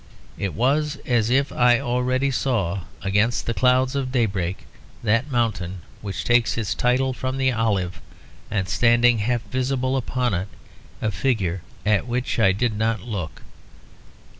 It was as if I already saw against the clouds of daybreak that mountain which takes its title from the olive: and standing half visible upon it, a figure at which I did not look.